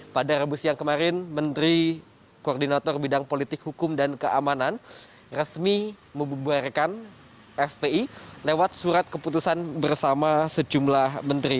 pada rabu siang kemarin menteri koordinator bidang politik hukum dan keamanan resmi membubarkan fpi lewat surat keputusan bersama sejumlah menteri